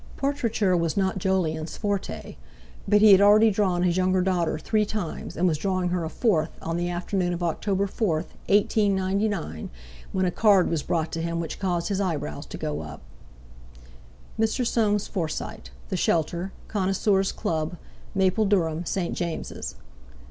Portraiture was not Jolyon's forte, but he had already drawn his younger daughter three times, and was drawing her a fourth, on the afternoon of October 4th, 1899, when a card was brought to him which caused his eyebrows to go up: MR. SOAMES FORSYTE THE SHELTER, CONNOISSEURS CLUB, MAPLEDURHAM. ST. JAMES'S.